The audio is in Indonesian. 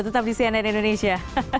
tetap di cnn indonesia